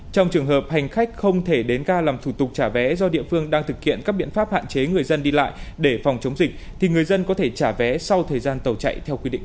trong trường hợp hành khách không thể đến ga làm thủ tục trả vé do địa phương đang thực hiện các biện pháp hạn chế người dân đi lại để phòng chống dịch thì người dân có thể trả vé sau thời gian tàu chạy theo quy định